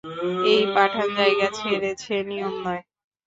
এই পাঠান জায়গা ছেড়েছে, নিয়ম নয়।